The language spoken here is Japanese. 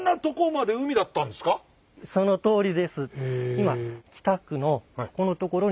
そのとおりです。